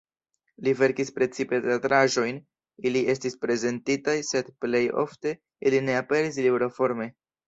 Li verkis precipe teatraĵojn, ili estis prezentitaj sed plej ofte ili ne aperis libroforme.